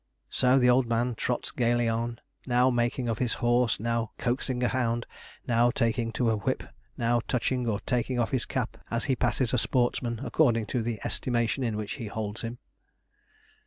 So the old man trots gaily on, now making of his horse, now coaxing a hound, now talking to a 'whip,' now touching or taking off his cap as he passes a sportsman, according to the estimation in which he holds him.